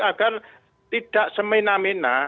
agar tidak semena mena